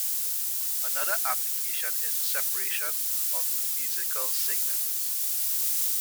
Another application is the separation of musical signals.